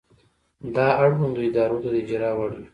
دا اړوندو ادارو ته د اجرا وړ وي.